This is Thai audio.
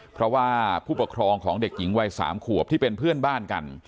เพราะว่าผู้ปกครองของเด็กหญิงวัย๓ขวบที่เป็นเพื่อนบ้านกัน